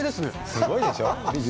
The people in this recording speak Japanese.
すごいでしょう？